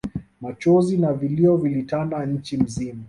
Machozi na vilio vilitanda nchi mzima